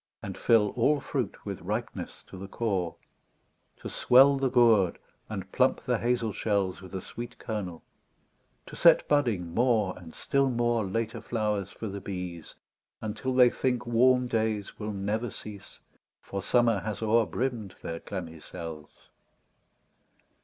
And fill all fruit with ripeness to the core ; To swell the gourd, and plump the hazel shells With a sweet kernel ; to set budding more. And still more, later flowers for the bees. Until they think warm days will never cease. For Summer has o'er brimm'd their clammy cells.